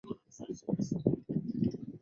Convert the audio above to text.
单独运行的定期列车被设定为各站停车。